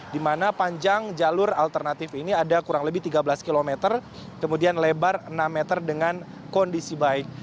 di mana panjang jalur alternatif ini ada kurang lebih tiga belas km kemudian lebar enam meter dengan kondisi baik